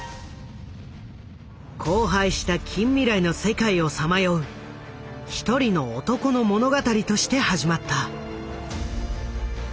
荒廃した近未来の世界をさまよう一人の男の物語として始まった。